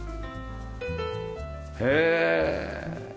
へえ。